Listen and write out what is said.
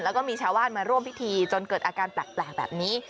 แล้วก็มีชาวบ้านมาร่วมพิธีจนเกิดอาการแปลกแบบนี้